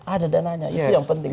ada dananya itu yang penting